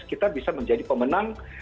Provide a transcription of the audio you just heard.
kita bisa menjadi pemenang